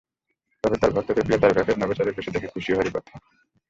তবে তাঁর ভক্তদের প্রিয় তারকাকে নভোচারীর বেশে দেখে খুশি হওয়ারই কথা।